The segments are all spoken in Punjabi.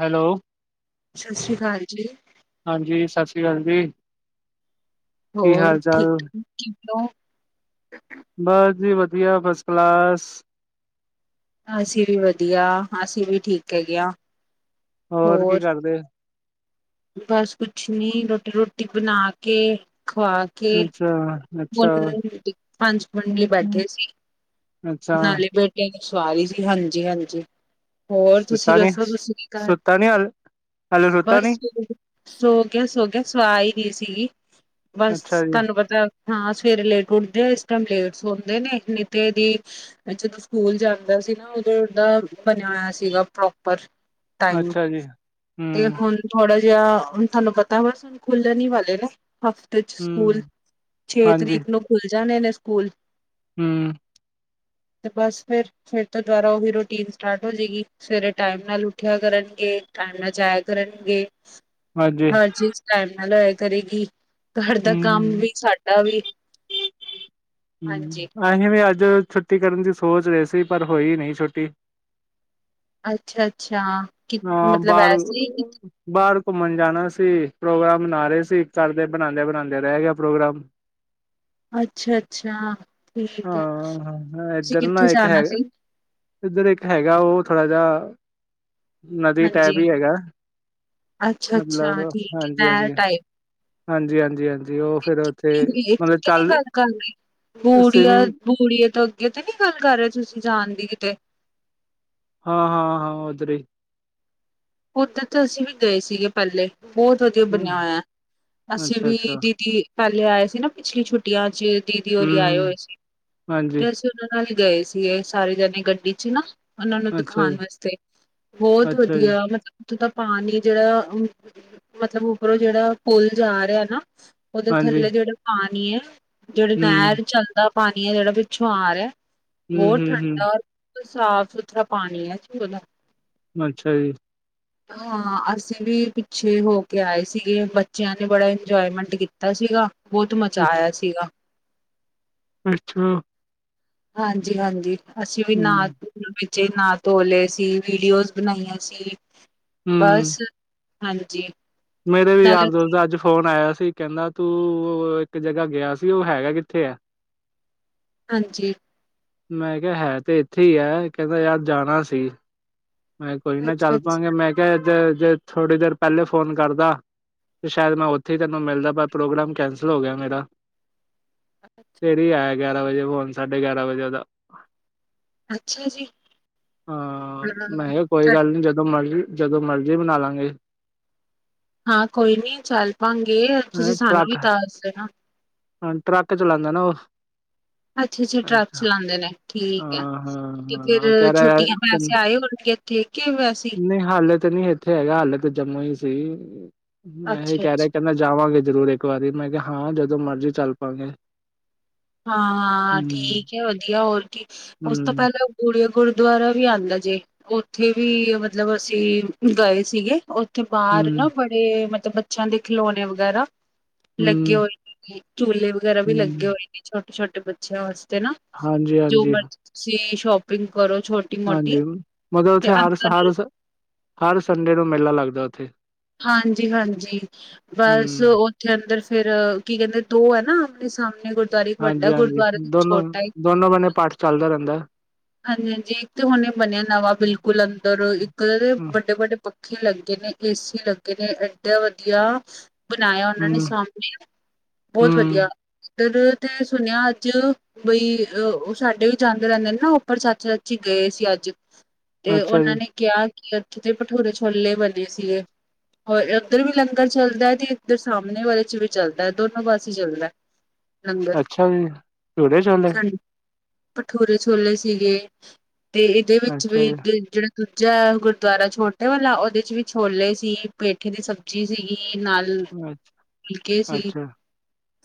ਹੈਲੋ ਸਤਿ ਸ੍ਰੀ ਅਕਾਲ ਜੀ, ਹਾਂਜੀ ਸਤਿ ਸ਼੍ਰੀ। ਸੀ ਹਾਂ ਜੀ। ਕੀ ਹੋਰ ਹਾਲ ਚਾਲ? ਠੀਕ ਕ ਔ ਬਸ ਜੀ ਵਧੀਆ ਫਸਟ ਕਲਾਸ। ਅਸੀਂ ਵੀ ਵਧੀਆ ਅਸੀਂ ਵੀ ਠੀਕ ਹੈਗੇ ਹ। ਹੋਰ ਕੀ ਕਰਦੇ? ਬਸ ਕੁਛ ਨੀ ਰੋਟੀ ਰੋਟੀ ਬਣਾ ਕੇ ਖਵਾ ਕੇ ਅੱਛਾ, ਅੱਛਾ। ਪੰਜ ਮੁੰਡੇ ਬੈਠੇ ਸੀ ਅੱਛਾ, ਨਾਲੇ ਬੇਟੇ ਸਵਾਰੀ ਸੀ ਹਾਂਜੀ ਹਾਂਜੀ ਹੋਰ ਤੁਸੀਂ ਸੁੱਤਾ ਨੀ, ਦੱਸੋ ਤੁਸੀ ਕੀ ਘ ਸੁੱਤਾ ਨੀ ਹਾਲੇ, ਹਾਲੇ ਸੁੱਤਾ ਨੀ? ਬਸ ਸੋਗ ਗਿਆ ਸੋਗਿਆ ਸਵਾਈ ਰਹੀ ਸੀਗੀ। ਬਸ ਅੱਛਾ ਜੀ, ਤੁਹਨੂੰ ਪਤਾ। ਹਾਂ ਸਵੇਰੇ ਲੇਟ ਉੱਠਦੇ ਆ ਇਸ ਟਾਈਮ ਲੇਟ ਹੁੰਦੇ ਨੇ ਨਹੀਂ ਤੇ ਏ ਦੀ ਜਦੋਂ ਸਕੂਲ ਜਾਂਦਾ। ਅਸੀ ਨਾ ਉਧਰ ਦਾ ਬਣਿਆ ਹੋਇਆ ਸੀਗਾ ਪ੍ਰੋਪਰ। ਤਾਈ ਨੂੰ ਅੱਛਾ ਜੀ, ਤੇ ਹੂੰ, ਹੁਣ ਥੋੜਾ ਜਾ ਤੁਹਾਨੂੰ ਪਤਾ ਵ ਹੁਣ ਖੁੱਲਣ ਹੀ ਵਾਲੇ ਨੇ ਹਫ਼ਤੇ ਚ ਸਕੂਲ। ਹੂੰ, ਛੇ ਤਰੀਕ ਨੂੰ ਖੁੱਲ ਜਾਣੇ ਨੇ ਸਕੂਲ। ਹਮ। [inaudible] ਅਤੇ ਬਸ ਫਿਰ ਫਿਰ ਤੋਂ ਦੁਬਾਰਾ ਉਹੀ ਰੂਟੀਨ ਸਟਾਰਟ ਹੋ ਜਾਏਗੀ ਸਵੇਰੇ ਟਾਈਮ ਨਾਲ ਉੱਠਿਆ ਕਰਨਗੇ। ਅਣਾ ਜਾਇਆ ਕਰਨਗੇੇ। ਹਾਂਜੀ, ਹਰ ਚੀਜ਼ ਟਾਈਮ ਨਾਲ ਹੋਇਆ ਕਰੇਗੀ ਘਰ ਦਾ ਕੰਮ ਹੂੰ। ਵੀ ਸਾਡ ਵੀ ਹਮ ਹਾਂਜੀ ਅਸੀਂ ਵੀ ਅੱਜ ਅੱ ਛੁੱਟੀ ਕਰਨ ਦੀ ਸੋਚ ਰਹੇ ਸੀ ਪਰ ਹੋਈ ਨਹੀਂ ਛੁੱਟੀ। ਅੱਛਾ ਅੱਛਾ। ਅ ਬਾਰ ਬਾਰ ਘੁੰਮਣ ਜਾਣਾ ਸੀ ਪ੍ਰੋਗਰਾਮ ਮਨਾ ਰਹੇ ਸੀ ਕਰਦੇ ਬਣਾਉਂਦੇ ਬਣਾਉਂਦੇ ਰਹਿ ਗਿਆ ਪ੍ਰੋਗਰਾਮ। ਅੱਛਾ-ਅੱਛਾ ਠੀਕ ਹੈ ਹਾਂ ਹਾਂ ਤੁਸੀਂ ਏਧਰ ਨਾ ਕਿੱਥੇ ਇੱਕ ਜਾਣਾ ਸੀ ਹੈਗਾ। ਇੱਧਰ ਇੱਕ ਹੈਗਾ ਉਹ ਥੋੜਾ ਜਿਹਾ, ਨਦੀ ਟੈਪ ਹਾਂਜੀ ਹੀ ਹੈਗਾ। ਅੱਛਾ-ਅੱਛਾ ਮਤਲਬ, ਠੀਕ ਹੈ। ਹਾਂਜੀ- ਮੈਂ ਹਾਂਜੀ। ਟਾਈਪ ਹਾਂਜੀ- ਹਾਂਜੀ- ਹਾਂਜੀ ਉਹ ਫੇਰ ਉੱਥੇ ਮਤਲਬ ਚੱਲ ਬੂੜੀਆਂ। ਸਵਿਮਿੰਗ ਬੂੜੀਏ ਤੋਂ ਅੱਗੇ ਤੇ ਨੀ ਗੱਲ ਕਰ ਰਹੇ ਤੁਸੀਂ ਜਾਣ ਦੀ ਕਿਤੇ। ਹਾਂ- ਹਾਂ- ਹਾਂ ਉਦਰ ਹੀ। ਉੱਧਰ ਤਾਂ ਅਸੀਂ ਵੀ ਗਏ ਸੀਗੇ। ਪਹਿਲੇ ਬਹੁਤ ਵਧੀਆ ਬਣਿਆ ਹੋਇਆ। ਅਸੀਂ ਅੱਛਾ ਵੀ ਅੱਛਾ ਦੀਦੀ ਪਹਿਲੇ ਆਏ ਸੀ ਨਾ ਪਿਛਲੀ ਛੁੱਟੀਆਂ ਚ ਦੀਦੀ ਹੋਰ ਹਮ ਆਏ ਹਮ ਹੋਏ ਸੀ। ਹਾਂਜੀ ਤੇ ਅਸੀ ਉਹਨਾਂ ਨਾਲ ਗਏ ਸੀਗੇ। ਸਾਰੇ ਜਾਣੇ ਗੱਡੀ ਚ ਹੀ ਨਾ। ਉਹਨਾਂ ਨੂੰ ਅੱਛਾ ਜੀ ਦਿਖਾਉਣ ਵਾਸਤੇ, ਬਹੁਤ ਅੱਛਾ ਜੀ ਵਧੀਆ । ਉਥੋਂ ਤਾਂ ਪਾਣੀ ਜਿਹੜਾ ਮਤਲਬ ਉੱਪਰੋਂ ਜਿਹੜਾ ਪੁਲ ਜਾ ਰਿਹਾ ਨਾ। ਉਹਦੇ ਹਾਂਜੀ ਥੱਲੇ ਜਿਹੜੇ ਪਾਣੀ ਹੈ। ਜਿਹੜੇ ਹਮ ਨਹਿਰ ਚੱਲਦਾ ਪਾਣੀ ਹੈ ਜਿਹੜਾ ਪਿੱਛੋਂ ਆ ਰਿਹਾ। ਹਮ ਬਹੁਤ ਹਮ ਠੰਡਾ ਹਮ ਰ ਸਾਫ- ਸੁਥਰਾ ਪਾਣੀ ਆ ਐ ਅੱਛਾ ਜੀ। ਹਾਂ। ਅਸੀਂ ਵੀ ਪਿੱਛੇ ਹੋ ਕੇ ਆਏ ਸੀਗੇ। ਬੱਚਿਆਂ ਨੇ ਬੜਾ ਇੰਜੋਏਮੈਂਟ ਕੀਤਾ ਸੀਗਾ। ਬਹੁਤ ਮਜ਼ਾ ਅੱਛਾ ਆਇਆ ਸੀਗਾ। ਅੱਛਾ। ਹਾਂਜੀ-ਹਾਂਜੀ ਅਸੀਂ ਵੀ ਨਾ ਹਮ ਬੱਚੇ ਨਹਾ ਧੋ ਲਏ ਸੀ। ਵੀਡੀਓਜ਼ ਬਣਾਈਆਂ ਸੀ ਹਮ ।ਬਸ ਹਾਂਜੀ। ਮੇਰੇ ਵੀ ਯਾਰ ਨਾਲੇ ਦੋਸਤ ਦਾ ਅੱਜ ਫੋਨ ਆਇਆ ਸੀ। ਕਹਿੰਦਾ ਤੂੰ ਉਹ ਇੱਕ ਜਗ੍ਹਾ ਗਿਆ ਸੀ ਉਹ ਹੈਗਾ ਕਿੱਥੇ ਹੈ। ਹਾਂਜੀ। ਮੈਂ ਕਿਹਾ ਹੈ ਤੇ ਇੱਥੇ ਹੀ ਹੈ। ਕਹਿੰਦਾ ਯਾਰ ਜਾਣਾ ਸੀ। ਮੈਂ ਕੋਈ ਨਾ ਅੱਛਾ ਚੱਲ ਅੱਛਾ ਪਾਂਗੇ। ਮੈਂ ਕਿਹਾ ਜੇ ਥੋੜ੍ਹੀ ਦੇਰ ਪਹਿਲੇ ਫੋਨ ਕਰਦਾ ਤੇ ਸ਼ਾਇਦ ਮੈਂ ਉੱਥੇ ਤੈਨੂੰ ਮਿਲਦਾ ਪਰ ਪ੍ਰੋਗਰਾਮ ਕੈਂਸਲ ਹੋ ਗਿਆ ਮੇਰਾ ਅੱਛਾ। ਸਵੇਰੇ ਆਇਆ। ਗਿਆਰਾਂ ਵਜੇ ਫੋਨ ਸਾਢੇ ਗਿਆਰਾਂ ਵਜੇ ਉਹਦਾ ਅੱਛਾ ਜੀ, ਹਾਂ। ਮੈਂ ਕਿਹਾ ਕੋਈ ਹਾਂ ਗੱਲ ਨਹੀਂ ਜਦੋਂ ਮਰਜ਼ੀ ਜਦੋਂ ਮਰਜ਼ੀ ਬਣਾ ਲਾਂਗੇ। ਹਾਂ। ਕੋਈ ਨੀ, ਚੱਲ ਪਾਂਗੇ। ਤੁਸੀਂ ਸਾਨੂੰ ਵੀ ਦੱਸ ਦੇਣਾ। ਹੁਨ ਟਰੱਕ ਚਲਾਉਂਦਾ ਨਾ ਉਹ ਅੱਛਾ-ਅੱਛਾ ਟਰੱਕ ਅੱਛਾ ਚਲਾਉਂਦੇ ਨੇ। ਠੀਕ ਹੈ। ਹਾਂ ਤੇ ਹਾਂ ਫੇਰ ਹਾਂ ਕਹਿ ਰਿਹਾ ਯਾਰ ਛੁੱਟੀਆਂ ਤੈਨੂੰ ਵੈਸੇ ਆਏ ਹੋਣਗੇ ਇਥੇ ਕੇ ਵੈਸੇ ਨਹੀਂ ਹਾਲੇ ਤੇ ਨੀ ਇੱਥੇ ਹੈਗਾ ਹਾਲੇ ਤ ਜੰਮੂ ਹੀ ਸੀ। ਮੈਂ ਇਹ ਕਹਿ ਰਿਹਾ ਅੱਛਾ-ਅੱਛਾ ਕਹਿੰਦਾ ਜਾਵਾਂਗੇ। ਜ਼ਰੂਰ ਇੱਕ ਵਾਰੀ ਮੈਂ ਕਿਹਾ ਹਾਂ ਜਦੋਂ ਮਰਜੀ ਚੱਲ ਪਾਂਗੇ। ਹਾਂ। ਹੂੰ, ਠੀਕ ਹੈ, ਵਧੀਆ, ਹੋਰ ਕੀ ਉਸ ਤੋਂ ਹੂੰ, ਪਹਿਲਾਂ ਗੁਰਦੁਆਰਾ ਵੀ ਆਉਂਦਾ ਜੇ। ਉੱਥੇ ਵੀ ਮਤਲਬ ਅਸੀਂ ਗਏ ਸੀਗੇ। ਬਾਹਰ ਨਾ ਹੂੰ, ਬੜੇ ਮਤਲਬ ਬੱਚਿਆਂ ਦੇ ਖਿਲੌਣੇ ਵਗੈਰਾ ਲੱਗੇ ਹੂੰ, ਹੋਏ ਨੇ ਜੀ, ਝੂਲੇ ਵਗੈਰਾ ਵੀ ਲੱਗੇ ਹੂੰ, ਹੋਏ ਨੇ ਛੋਟੇ-ਛੋਟੇ ਬੱਚਿਆਂ ਵਾਸਤੇ ਤੇ ਨਾ ਜੋ ਹਾਂਜੀ-ਹਾਂਜੀ, ਮਰਜੀ਼ ਤੁਸੀਂ ਸ਼ੋਪਿੰਗ ਕਰੋ ਛੋਟੀ ਮੋਟੀ ਹਾਂਜੀ। ਮਗਰ ਤੇ ਉੱਥੇ ਅੰਦਰ ਹੀ ਹਰ-ਹਰ-ਹਰ ਸੰਡੇ ਨੂੰ ਮੇਲਾ ਲੱਗਦਾ। ਉੱਥੇ ਹਾਂਜੀ-ਹਾਂਜੀ ਬਸ ਹੂੰ, ਉੱਥੇ ਅੰਦਰ ਫਿਰ ਕੀ ਕਹਿੰਦੇ ਦੋ ਹੈ ਨਾ ਸਾਹਮਣੇ ਗੁਰਦੁਆਰੇ ਇੱਕ ਵੱਡਾ ਹਾਂਜੀ-ਹਾਂਜੀ ਗੁਰਦੁਆਰਾ ਤੇ ਦੋਨੋ- ਛੋਟਾ ਦੋਨੋ ਬਣੇ ਪਾਠ ਚੱਲਦਾ ਰਹਿੰਦਾ। ਹਾਂਜੀ-ਹਾਂਜੀ ਇੱਕ ਤੇ ਹੁਣ ਬਣਿਆ ਨਵਾਂ ਬਿਲਕੁਲ ਅੰਦਰ ਇੱਕ ਹੂੰ, ਵੱਡੇ-ਵੱਡੇ ਪੱਖੇ ਲੱਗੇ ਨੇ, ਏਸੀ ਲੱਗੇ ਨੇ ਐਏਡੇ ਵਧੀਆ। ਬਣਾਇਆ। ਉਹਨਾਂ ਨੇ ਹੂੰ, ਸਮ ਬਹੁਤ ਵਧੀਆ। ਹੂੰ, ਉੱਧਰ ਤੇ ਸੁਣਿਆ ਅੱਜ ਬਈ ਉਹ ਸਾਡੇ ਵੀ ਜਾਂਦੇ ਰਹਿੰਦੇ ਨੇ ਨਾ ਓ ਪਰ ਸੱਚ- ਸੱਚੀ ਗਏ ਸੀ ।ਅੱਜ ਤੇ ਅੱਛਾ ਉਹਨਾਂ ਜੀ, ਨੇ ਕਿਹਾ ਲੱਠੀ ਦੇ ਭਠੂਰੇ ਛੋਲੇ ਬਣੇ ਸੀਗੇ। ਹੋਰ ਇੱਧਰ ਵੀ ਲੰਗਰ ਚੱਲਦਾ ਹੈ। ਤੇ ਇੱਧਰ ਸਾਹਮਣੇ ਵਾਲੇ ਚ ਵੀ ਚੱਲਦਾ ਹੈ ਦੋਨੋ ਪਾਸੇ ਚੱਲਦਾ। [inaudible] ਅੱਛਾ, ਜੀ। ਭਠੂਰੇ ਛੋਲੇ। ਹਾਂਜੀ। ਭਠੂਰੇ- ਛੋਲੇ ਸੀਗੇ। ਤੇ, ਇਹਦੇ ਵਿੱਚ ਅੱਛਾ ਵੀ, ਜੀ, ਦਿ ਜਿਹੜਾ ਦੂਜਾ ਗੁਰਦੁਆਰਾ, ਛੋਟੇ ਵਾਲਾ, ਉਹਦੇ ਚ ਵੀ ਛੋਲੇ ਸੀ। ਪੇਠੇ ਦੀ ਸਬਜ਼ੀ ਸੀਗੀ। ਨਾਲ ਅੱਛਾ, ਫੁਲਕੇ ਸੀ, ਅੱਛਾ,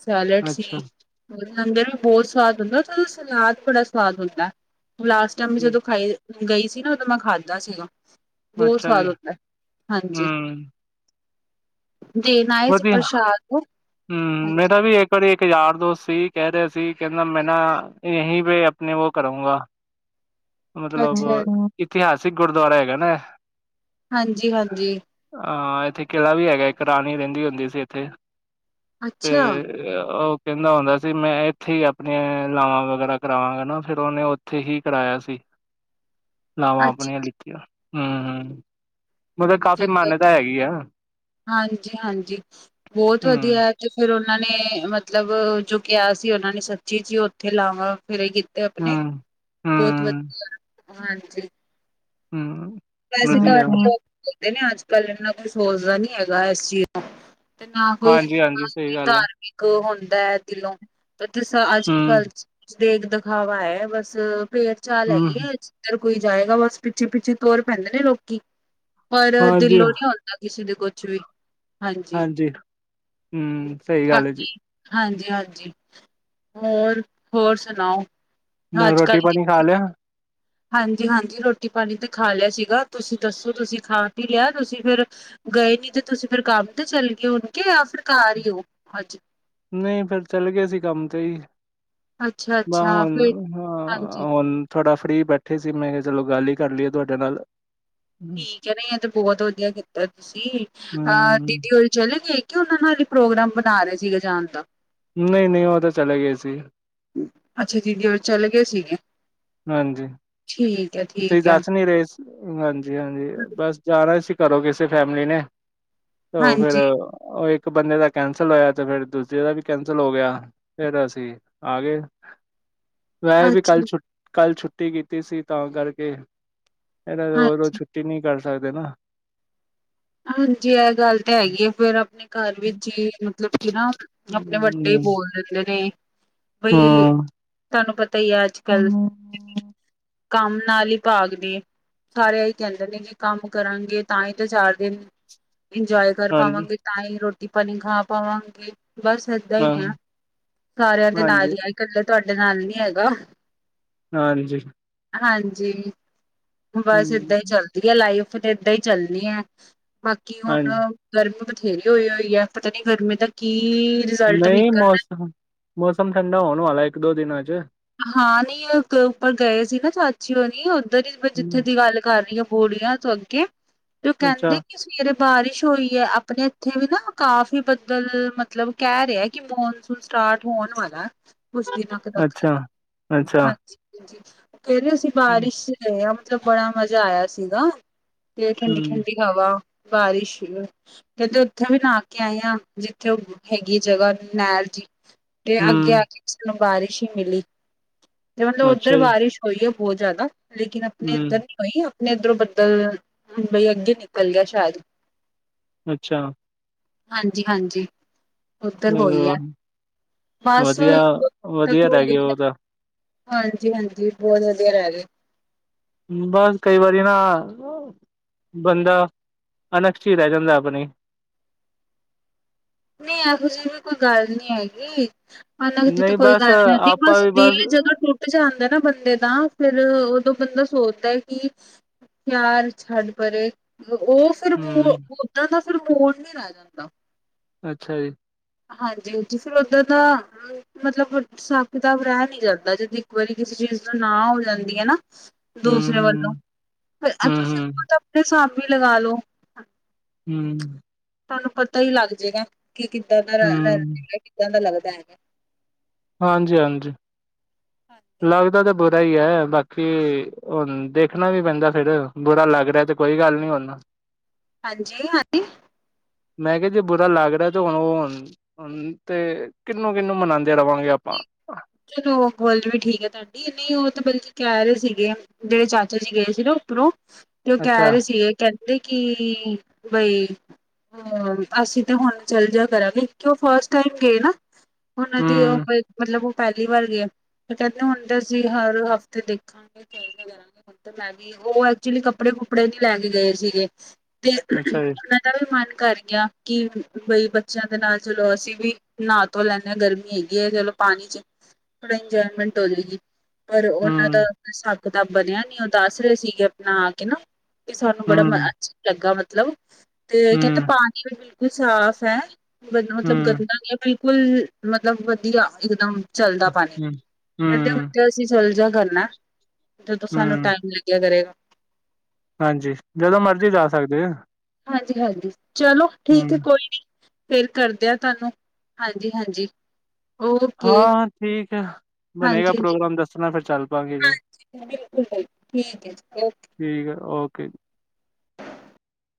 ਸੈਲਡ ਸੀ। ਅੱਛਾ, ਲੰਗਰ ਵੀ ਬਹੁਤ ਸਵਾਦ ਹੁੰਦਾ। ਤੇਦੋਂ ਸਲਾਦ ਬੜਾ ਸਵਾਦ ਹੁੰਦਾ। ਲਾਸਟ ਟਾਈਮ ਵੀ ਜਦੋਂ ਖਾਈ ਗਈ ਸੀ ਨਾ, ਉਹਦੋ ਮੈਂ, ਖਾਦਾ ਸੀਗਾ। ਬਹੁਤ ਅੱਛਾ ਸਵਾਦ ਜੀ, ਹੁੰਦਾ। ਹਾਂਜੀ। ਹੂੰ, ਦੇਣ ਆਏ ਸੀ ਵਧੀਆ। ਪ੍ਰਸ਼ਾਦ ਨੂੰ ਹੂੰ। ਹਾਂਜੀ ਮੇਰਾ ਵੀ ਇੱਕ ਵਾਰੀ ਇੱਕ ਯਾਰ, ਦੋਸਤ ਸੀ। ਕਹਿ ਰਿਹਾ ਸੀ। ਕਹਿੰਦਾ, ਮੈਂ ਨਾ, ਯਂਹੀ ਪੇ ਆਪਣੇ ਵੋ, ਕਰੂੰਗਾ। ਮਤਲਬ, ਅੱਛਾ ਇਤਿਹਾਸਿਕ, ਗੁਰਦੁਆਰਾ ਹੈਗਾ ਨਾ। ਏ। ਹਾਂਜੀ-ਹਾਂਜੀ। ਹਾਂ। ਇੱਥੇ ਕਿਲਾ ਵੀ ਹੈਗਾ। ਇੱਕ ਰਾਣੀ ਰਹਿੰਦੀ ਹੁੰਦੀ ਸੀ ਇੱਥੇ। ਤੇ ਅੱਛਾ ਉਹ ਕਹਿੰਦਾ ਹੁੰਦਾ ਸੀ। ਮੈਂ ਇੱਥੇ ਹੀ, ਆਪਣੀਆਂ ਲਾਵਾਂ, ਵਗੈਰਾ ਕਰਾਵਾਂਗਾ ਨਾ। ਫੇਰ ਉਹਨੇ ਉੱਥੇ ਹੀ ਕਰਾਇਆ ਸੀ। [inaudible] ਲਾਵਾਂ, ਆਪਣੀ ਅੱਛਾ ਲਿਤੀਆ, ਹੂੰ-ਹੂੰ। ਮਤਲਬ, ਕਾਫ਼ੀ ਮਾਨਤਾ ਹੈਗੀ ਆ। ਹਾਂਜੀ ਹਾਂਜੀ। ਬਹੁਤ ਹੂੰ ਵਧੀਆ ਹੈ। ਤੇ ਫੇਰ ਉਹ ਨਾਲੇ ਮਤਲਬ ਜੋ ਕਿਹਾ ਸੀ ਉਹਨਾਂ ਨੇ, ਸੱਚੀ ਜੀ ਉਹ ਉੱਥੇ ਲਾਵਾਂ ਫੇਰੇ ਕਿ ਤੇ ਆਪਣੇ, ਹੂੰ ਬਹੁਤ ਹੂੰ ਵਧੀਆ, ਹਾਂਜੀ। ਹੂੰ। ਵੈਸੇ, ਵਧੀਆ ਘਟ ਲੋਕ ਹੁਣਦੇ ਨੇ, ਅੱਜ ਕੱਲ ਇੰਨਾ ਕੁਈ ਸੋਚਦਾ ਨੀ ਹੈਗਾ। ਇਸ ਚੀਜ਼ ਤੋਂ ਤੇ, ਨਾ ਕੋਈ, ਹਾਂਜੀ ਹਾਂਜੀ ਨਾਲ ਸਹੀ ਗੱਲ ਹੈ ਧਾਰਮਿਕ ਹੁੰਦਾ ਹੈ। ਦਿਲੋਂ ਜ ਅੱਜ ਹੂੰ ਕੱਲ ਦੇਖ ਦਿਖਾਵਾ ਹੈ। ਬਸ ਪੇਰ ਚਾਲ ਹੂੰ ਹੈਗੀ ਆ। ਕੋਈ ਜਾਏਗਾ। ਬਸ ਪਿੱਛੇ- ਪਿੱਛੇ, ਤੁਰ ਪੈਂਦੇ ਨੇ, ਲੋਕੀ ਪਰ ਹਾਂਜੀ ਦਿਲੋਂ ਨੀ, ਆਉਂਦਾ ਕਿਸੇ ਦੇ ਕੋਲ। ਹਾਂਜੀ, ਹਾਂਜੀ। ਹੂੰ ਸਹੀ ਗੱਲ ਹੈ ਜੀ ਹਾਂਜੀ- ਹਾਂਜੀ, ਹੋਰ। ਹੋਰ ਸੁਣਾਓ? ਮੈਂ ਅੱਜ ਕੱਲ ਰੋਟੀ ਪਾਣੀ ਖਾ ਲਿਆ ਹਾਂਜੀ, - ਹਾਂਜੀ, ਰੋਟੀ- ਪਾਣੀ ਤੇ, ਖਾ ਲਿਆ ਸੀਗਾ। ਤੁਸੀਂ ਦੱਸੋ? ਤੁਸੀਂ ਖਾ- ਪੀ ਲਿਆ। ਤੁਸੀਂ ਫੇਰ ਗਏ ਨੀ ਤੇ, ਤੁਸੀਂ ਫੇਰ ਕੰਮ ਤੇ ਚੱਲ ਗਏ। ਯਾ ਹੋਣ ਕੇ ਜਾਂ ਫੇਰ ਘਰ ਹੀ ਹੋ? ਹਾਂਜੀ। ਨਹੀਂ ਫੇਰ ਚੱਲੇ ਗਏ ਸੀ। ਕੰਮ ਤੇ ਹੀ। ਬ ਅੱਛਾ-ਅੱਛਾ, ਫਿਰ ਹੁਣ ਹਾਂ। ਹਾਂਜੀ, ਹੋੁਣ ਥੋੜਾ ਫ ਕੜੀ ਬੈਠੇ ਸੀ। ਮੈਂ ਕਿਹਾ ਚਲੋ ਗੱਲ ਹੀ, ਕਰ ਲਈਏ ਤੁਹਾਡੇ ਨਾਲ। ਠੀਕ ਹੈ। ਨਾ ਇਹ ਤੇ ਬਹੁਤ ਵਧੀਆ ਕੀਤਾ ਤੁਸੀਂ। ਅਹ ਹੂੰ, ਦੀਦੀ ਹੋਰ ਚਲੇ ਗਏ। ਕੀ, ਉਹਨਾਂ ਨਾਲ ਹੀ, ਪ੍ਰੋਗਰਾਮ ਬਣਾ, ਰਹੇ ਸੀਗੇ। ਜਾਣ ਦਾ। ਨਹੀਂ- ਨਹੀਂ, ਉਹ ਤਾਂ, ਚਲੇ ਗਏ ਸੀ। ਅੱਛਾ, ਦੀਦੀ ਰੋਰੀ, ਚੱਲੇ ਗਏ ਸੀਗੇ? ਹਾਂਜੀ। ਠੀਕ ਹੈ, ਤੁਸੀਂ ਠੀਕ ਹੈ। ਦੱਸ ਨੀ ਰਹੇ। ਹਾਂਜੀ- ਹਾਂਜੀ, ਬਸ ਜਾਣਾ ਸੀ। ਘਰੋ ਕਿਸੇ ਫੈਮਿਲੀ ਨੇ। ਤੇ ਓਹ ਫੇਰ ਹਾਂਜੀ, ਉਹ ਇੱਕ ਇੱਕ ਬੰਦੇ ਦਾ ਕੈਂਸਲ ਹੋਇਆ। ਤੇ ਫੇਰ ਦੂਜੇ ਦਾ ਵੀ ਕੈਂਸਲ ਹੋ ਗਿਆ। ਫੇਰ, ਅਸੀਂ ਆ ਗਏ। ਵੈ ਵੀ, ਕੱਲ ਅੱਛਾ, ਛੁ ਕੱਲ ਛੁੱਟੀ ਕੀਤੀ ਸੀ। ਤਾਂ ਕਰਕੇ। ਇਹਦਾ ਰੋ ਰੋਜ਼ ਹਾਂਜੀ, ਛੁੱਟੀ ਨਹੀਂ ਕਰ ਸਕਦੇ ਨਾ। ਹਾਂਜੀ। ਇਹ ਗੱਲ ਤਾਂ ਹੈਗੀ ਆ। ਫੇਰ ਆਪਣੇ ਘਰ ਵਿੱਚ ਹੀ, ਮਤਲਬ ਕੀ ਨਾ, ਆਪਣੇ ਵੱਡੇ। ਹੂੰ, ਬੋਲ ਦਿੱਦੇ ਨੇ ਬਈ, ਹਾਂ। ਤੁਹਾਨੂੰ ਪਤਾ ਹੀ, ਹੈ, ਅੱਜ ਕੱਲ। ਕੰਮ ਨਾਲ ਹੀ ਭਾਗ ਨੇ। ਸਾਰੇ ਹੀ ਕਹਿੰਦੇ ਨੇ, ਕਿ ਕੰਮ ਕਰਾਂਗੇ ਤਾਂ ਹੀ ਤਾਂ ਚਾਰ ਦਿਨ ਇੰਜੋਏ ਕਰ ਹਾਂਜੀ, ਪਾਵਾਂਗੇ। ਤਾਂ ਹੀ ਰੋਟੀ- ਪਾਣੀ ਖਾ ਪਾਵਾਂਗੇ। ਬਸ ਏਦਾਂ ਹਾਂ। ਹੀ ਆ। ਸਾਰਿਆਂ ਦੇ ਨਾਲ ਹਾਂਜੀ ਹੀ ਆ। ਇਕੱਲੇ ਤੁਹਾਡੇ ਨਾਲ ਨੀ ਹੈਗਾ। ਹਾਂਜੀ। ਹਾਂਜੀ ਬਸ ਏਦਾਂ ਹੀ ਹੂੰ ਚੱਲਦੀ ਹੈ ਲਾਈਫ ਤੇ ਏਦਾਂ ਹੀ ਚੱਲਣੀ ਹੈ। ਬਾਕੀ ਹੁਣ ਹਾਂਜੀ ਗਰਮੀ ਬਥੇਰੀ ਹੋਈ ਹੋਈ ਹੈ ਪਤਾ ਨੀ ਗਰਮੀ ਦਾ ਕੀ ਰਿਜ਼ਲਟ ਨਹੀਂ ਨਿਕਲਣਾ ਮੌਸਮ ਮੌਸਮ ਠੰਡਾ ਹੋਣ ਵਾਲਾ ਇੱਕ ਦੋ ਦਿਨਾਂ ਚ। ਹਾਂ ਨੀ ਉੱਪਰ ਗਏ ਸੀ ਨਾ ਚਾਚੀਓਰਿ ਉੱਧਰ ਹੀ ਜਿੱਥੇ ਹੂੰ, ਦੀ ਗੱਲ ਕਰ ਰਹੀ ਹੈ ਬੋਰੀੀਆਂ ਤੋਂ ਅੱਗੇ ਤੇ ਉਹ ਕਹਿੰਦੇ ਅੱਛਾ ਕਿ ਸਵੇਰੇ ਬਾਰਿਸ਼ ਹੋਈ ਹੈ ਆਪਣੇ ਇੱਥੇ ਵੀ ਨਾ ਕਾਫੀ ਬੱਦਲ ਮਤਲਬ ਕਹਿ ਰਿਹਾ ਕਿ ਮੌਨਸੂਨ ਸਟਾਰਟ ਹੋਣ ਵਾਲਾ ਕੁਛ ਦਿਨਾਂ ਤੱਕ ਅੱਛਾ ਅੱਛਾ ਹਾਂਜੀ। ਕਹਿ ਰਹੇ ਸੀ ਬਾਰਿਸ਼ ਆ ਮਤਲਬ ਬੜਾ ਮਜ਼ਾ ਆਇਆ ਸੀਗਾ। ਤੇ ਠੰਡੀ ਹੂੰ ਠੰਡੀ ਹਵਾ ਬਾਰਿਸ਼ ਕਹਿੰਦੇ ਉੱਥੇ ਵੀ ਨ ਕੇ ਆਏ ਹਾਂ ਜਿੱਥੇ ਉਹ ਹੈਗੀ ਜਗ੍ਹਾ ਨਹਿਰ ਜੀ ਤੇ ਅੱਗੇ ਆ ਹੂੰ ਕੇ ਸਾਨੂੰ ਬਾਰਿਸ਼ ਹੀ ਮਿਲੀ। ਤੇ ਮਤਲਬ ਉੱਧਰ ਅੱਛਾ ਬਾਰਿਸ਼ ਹੋਈ ਆ ਬਹੁਤ ਜ਼ਿਆਦਾ ਲੇਕਿਨ ਜੀ ਆਪਣੇ ਇੱਧਰ ਹੂੰ ਨੀ ਹੋਈ ਆ। ਇਧਰੋਂ ਬਦਲ ਹੁਣ ਬਈ ਅੱਗੇ ਨਿਕਲ ਗਿਆ ਸ਼ਾਇਦ ਅੱਛਾ। ਹਾਂਜੀ ਹਾਂਜੀ। ਅ ਉੱਧਰ ਹੋਈ ਹੈ ਬਸ ਵਧੀਆ ਤ ਵਧੀਆ ਰਹਿ ਗਏ ਹੋਈ ਉਹ ਤਾਂ ਹਾਂਜੀ ਹਾਂਜੀ ਬਹੁਤ ਵਧੀਆ ਰਹਿ ਗਏ। ਬਸ ਕਈ ਵਾਰੀ ਨਾ ਬੰਦਾ ਅਨਕਸ਼ ਹੀ ਰਹਿ ਜਾਂਦਾ ਆਪਣੀ ਨਹੀਂ ਇਹੋ ਜਿਹੀ ਵੀ ਕੋਈ ਗੱਲ ਨੀ ਹੈਗੀ। ਦੀ ਤਾਂ ਨਹੀਂ ਕੋਈ ਬਸ ਗੱਲ ਨ ਆਦੀ ਆਪਾਂ ਬਸ ਵੀ ਦਿਲ ਜਦੋਂ ਟੁੱਟ ਜਾਂਦਾ ਨਾ ਬੰਦੇ ਦਾ ਫੇਰ ਬੰਦਾ ਸੋਚਦਾ ਹੈ ਕਿ ਪਿਆਰ ਛੱਡ ਪਰੇ ਉਹ, ਫੇਰ, ਹੂੰ ਮ ਦਾਂ ਦਾ ਫੇਰ ਮੋੜ, ਨੀ ਰਹਿ ਜਾਂਦਾ। ਅੱਛਾ ਜੀ। ਹਾਂਜੀਾਂ ਜੀ ਫਿਰ ਉੱਦਾਂ ਦਾ ਮਤਲਬ ਹਿਸਾਬ ਕਿਤਾਬ ਰਹਿ ਨੀ ਜਾਂਦਾ ਜਿੱਦ ਇੱਕ ਵਾਰੀ ਕਿਸੇ ਜਿਸਦਾ ਨਾਂ ਹੋ ਜਾਂਦੀ ਹੈ ਨਾ। ਹੂੰ ਦੂਸਰੇ ਵੱਲੋਂ ਹੂੰ ਹੂੰ ਤੁਸੀਂ ਹੂੰ ਖੂਦ ਆਪਣੇ ਸਾਮਨੇ ਲਗਾ ਲਓ। ਹਮ। ਤੁਹਾਨੂੰ ਪਤਾ ਹੀ ਲੱਗ ਜਾਏਗਾ ਕਿ ਕਿੱਦਾਂ ਦਾ ਰ ਹੂੰ ਰਹਗਾ ਕਿੱਦਾਂ ਦਾ ਲੱਗਦਾ ਹੈਗਾ। ਹਾਂਜੀ ਹਾਂਜੀ। ਹਾਂਜੀ ਗਈ ਹੈ ਬਾਕੀ ਹੁਣ ਦੇਖਣਾ ਵੀ ਪੈਂਦਾ ਫੇਰ ਬੁਰਾ ਲੱਗ ਰਿਹਾ ਤੇ ਕੋਈ ਗੱਲ ਨੀ ਹੂਨ ਜੀ ਹਾਂਜੀ। ਮੈਂ ਕਿਹਾ ਜੇ ਬੁਰਾ ਲੱਗ ਰਿਹਾ ਤੇ ਹੁਣ ਉਹ ਤੇ ਕਿਹਨੂੰ ਕਿਹਨੂੰ ਮਨਾਉਂਦੇ ਰਹਾਂਗੇ ਆਪਾਂ ਚਲੋ ਗਲ ਵੀ ਠੀਕ ਹੈ ਤੁਹਾਡੀ ਨਹੀਂ ਉਹ ਬੀ ਕਹਿ ਰਹੇ ਸੀਗੇ ਜਿਹੜੇ ਚਾਚਾ ਜੀ ਗਏ ਸੀ ਨਾ ਉੱਪਰੋਂ ਤੇ ਉਹ ਅੱਛਾ ਕਹਿ ਰਹੇ ਸੀਗੇ ਕਹ ਕਹਿੰਦੇ ਕਿ ਬਈ ਹਮ ਅਸੀਂ ਤੇ ਹੁਣ ਚੱਲ ਜਾ ਕਰਾਂਗੇ ਕਿ ਉਹ ਫਸਟ ਟਾਈਮ ਗਏ ਨਾ। ਉਹਨਾਂ ਦੀ ਉਹ ਹਮ ਮਤਲਬ ਪਹਿਲੀ ਵਾਰ ਗਏ ਹਨ ਫਿਰ ਹੁੰਦੇ ਸੀ ਹੁਣ ਤਾਂ ਅਸੀਂ ਹਰ ਹਫ਼ਤੇ ਦੇਖਾਂਗੇ ਚੱਲਦੇ ਕਰਾਂਗੇ ਹੁਣ ਤਾਂ ਮੈਂ ਵੀ ਉਹ ਐਕਚੁਲੀ ਕੱਪੜੇ ਕੁਪੜੇ ਨ ਲੈ ਕੇ ਗਏ ਸੀਗੇ ਤੇ ਅੱਛਾ ਜੀ ਉਹਨਾਂ ਦਾ ਵੀ ਮਨ ਕਰ ਗਿਆ ਕਿ ਬਈ ਬੱਚਿਆਂ ਦੇ ਨਾਲ ਚਲੋ ਅਸੀਂ ਵੀ ਨਹਾ ਧੋ ਲੈਂਦੇ ਹਾਂ ਗਰਮੀ ਹੈਗੀ ਹੈ ਚਲੋ। ਪਾਣੀ ਚ ਥੋੜਾ ਇੰਜੋਏਮੈਂਟ ਹੋਵੇਗੀ ਪਰ ਉਹਨਾਂ ਹਮ ਦਾਬ ਕਿਤਾਬ ਬਣਿਆ ਨੀ ਉਹ ਦੱਸ ਰਹੇ ਸੀਗੇ ਆਪਣਾ ਆ ਕੇ ਨਾ ਤੇ ਸਾਨੂੰ ਬੜਾ ਹਮ ਅੱਛਾ ਲੱਗਾ ਮਤਲਬ ਮਤਲਬ ਤੇ ਕਹਿੰਦੇ ਹਮ ਪਾਣੀ ਵੀ ਬਿਲਕੁਲ ਸਾਫ ਹੈ ਬ ਮਤਲਬ ਹਮ ਗੰਦਾ ਨਿ ਹੈ ਬਿਲਕੁਲ। ਬਿਲਕੁਲ ਮਤਲਬ ਵਧੀਆ ਇਕਦਮ ਚਲਦਾ ਪਾਣੀ ਹਮ ਕਹਿੰਦੇ ਹਮ ਹੁੰਦੇ ਅਸੀਂ ਚਲ ਜਾ। ਕਰਨਾ ਜਦੋਂ ਸਾਨੂੰ ਹਮ ਟਾਈਮ ਲੱਗਿਆ ਕਰੇਗਾ। ਹਾਂਜੀ ਜਦੋਂ ਮਰਜ਼ੀ ਜਾ ਸਕਦੇ ਆ। ਹਾਂਜੀ ਹਾਂਜੀ ਚਲੋ ਠੀਕ ਹੈ ਕੋਈ ਨੀ। ਫੇਰ ਕਰਦਿਆਂ ਤੁਹਾਨੂੰ ਹਾਂਜੀ ਹਾਂਜੀ। ਓਕੇ ਹਾਂ ਠੀਕ ਹੈ। ਬਣੇਗਾ ਹਾਂਜੀ ਹਾਂਜੀ ਪ੍ਰੋਗਰਾਮ ਦੱਸਣਾ ਫਿਰ ਚੱਲ ਪਾਾਂਗੇ ਜੀ। ਹਾਂਜੀ ਬਿਲਕੁਲ ਬਿਲਕੁਲ ਠੀਕ ਹੈ ਜੀ ਓਕੇ ਠੀਕ ਹੈ ਓਕੇ ਜੀ।